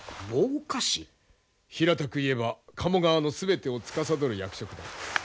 平たく言えば加茂川の全てをつかさどる役職だ。